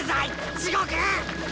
地獄！